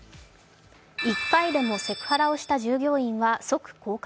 １回でもセクハラをした従業員は即降格。